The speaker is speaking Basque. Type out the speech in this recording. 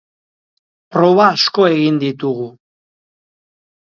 Proba asko egin ditugu.